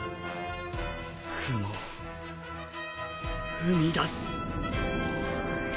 雲を生み出す。